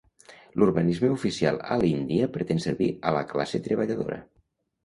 L'urbanisme oficial a l'Índia pretén servir a la classe treballadora.